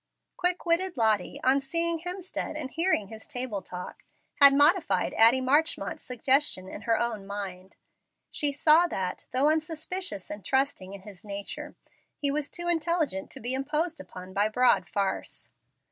Quick witted Lottie, on seeing Hemstead and hearing his table talk, had modified Addie Marchmont's suggestion in her own mind. She saw that, though unsuspicious and trusting in his nature, he was too intelligent to be imposed upon by broad farce.